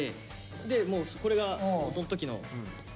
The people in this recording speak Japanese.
でこれがその時の。